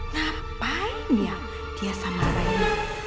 ngapain yang dia sama rayyan